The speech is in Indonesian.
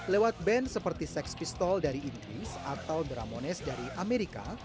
lewat band seperti seks pistol dari inggris atau bramones dari amerika